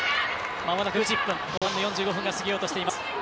まもなく９０分後半の４５分が過ぎようとしています。